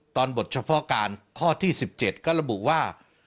บทเฉพาะการข้อที่๑๗ก็ระบุว่า